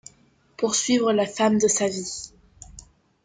Pour suivre la femme de sa vie.